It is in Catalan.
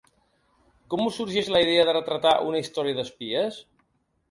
Com us sorgeix la idea de retratar una història d’espies?